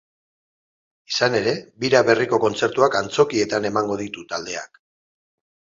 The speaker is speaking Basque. Izan ere, bira berriko kontzertuak antzokietan emango ditu taldeak.